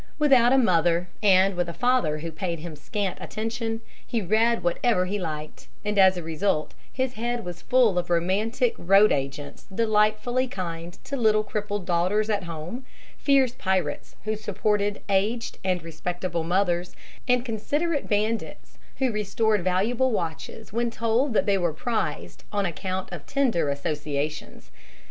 Without a mother, and with a father who paid him scant attention, he read whatever he liked, and as a result, his head was full of romantic road agents delightfully kind to little crippled daughters at home, fierce pirates who supported aged and respectable mothers, and considerate bandits who restored valuable watches when told that they were prized on account of tender associations.